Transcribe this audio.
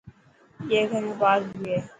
اي گھر ۾ پارڪ به هي.